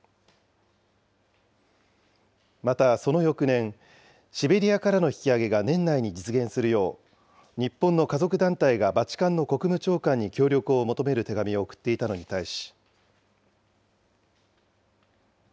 またその翌年、シベリアからの引き揚げが年内に実現するよう、日本の家族団体がバチカンの国務長官に協力を求める手紙を送っていたのに対し。